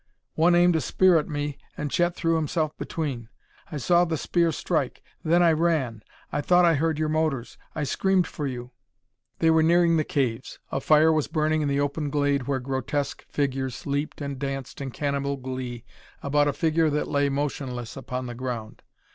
"One aimed a spear at me, and Chet threw himself between. I saw the spear strike then I ran. I thought I heard your motors I screamed for you " They were nearing the caves. A fire was burning in the open glade where grotesque figures leaped and danced in cannibal glee about a figure that lay motionless upon the ground.